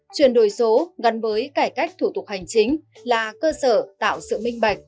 chuyển đổi số gần với cải cách thủ tục hành trình là cơ sở tạo sự minh bạch